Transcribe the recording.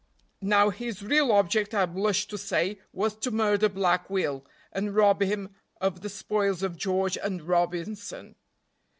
Now his real object, I blush to say, was to murder Black Will, and rob him of the spoils of George and Robinson.